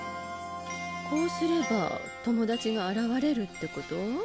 こうすれば友達が現れるってこと？